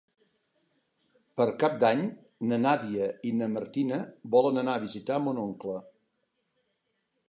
Per Cap d'Any na Nàdia i na Martina volen anar a visitar mon oncle.